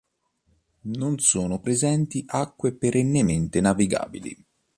Non sono presenti acque perennemente navigabili.